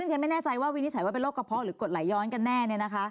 ฉันไม่แน่ใจว่าวินิจฉัยว่าเป็นโรคกระเพาะหรือกดไหลย้อนกันแน่